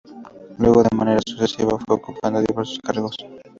Luego de manera sucesiva fue ocupando diversos cargos.